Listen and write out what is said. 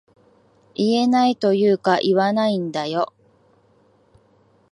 言えないというか言わないんだよ